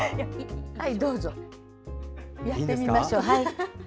どうぞ、やってみましょう。